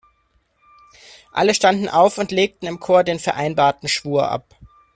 Alle standen auf und legten im Chor den vereinbarten Schwur ab.